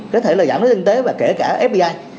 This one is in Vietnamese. có thể là giảm đến tinh tế và kể cả fbi